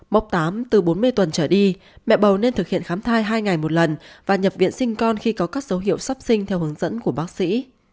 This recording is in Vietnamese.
mốc tám từ bốn mươi tuần trở đi mẹ bầu nên thực hiện khám thai hai ngày một lần và nhập viện sinh con khi có các dấu hiệu sắp sinh theo hướng dẫn của bác sĩ